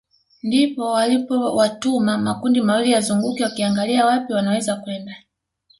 Ndipo walipowatuma makundi mawili yazunguke wakiangalia wapi wanaweza kwenda